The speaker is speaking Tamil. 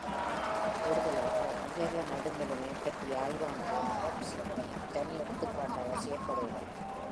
கூடுதலாக, நிகர நடுநிலைமை பற்றிய ஆய்வானது மரபு சிந்தனையின் தனி எடுத்துக்காட்டாக செயல்படுகிறது.